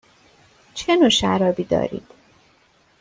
چه نوع شرابی دارید؟